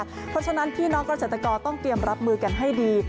เพราะฉะนั้นพี่น้องเกษตรกรต้องเตรียมรับมือกันให้ดี